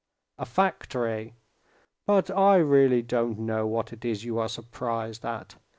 "A factory...." "But I really don't know what it is you are surprised at.